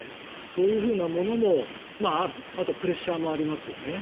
そういうものもあとプレッシャーもありますよね。